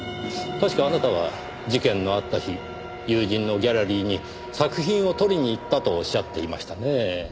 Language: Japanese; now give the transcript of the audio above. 確かあなたは事件のあった日友人のギャラリーに作品を取りに行ったとおっしゃっていましたねぇ。